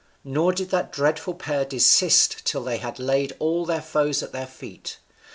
Nor did that dreadful pair desist till they had laid all their foes at their feet.